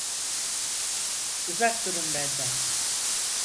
Uzak durun benden!